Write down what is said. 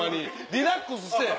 リラックスして。